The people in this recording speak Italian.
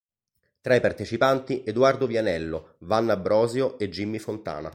Tra i partecipanti, Edoardo Vianello, Vanna Brosio e Jimmy Fontana.